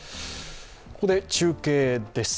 ここで中継です。